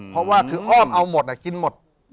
เพราะว่าคืออ้อมเอาหมดกินหมด